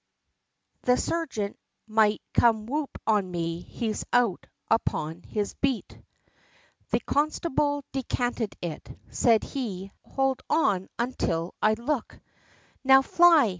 The sergeant might come whop on me! he's out upon his beat." The constable decanted it, said he, "Howld on until I look, Now fly!"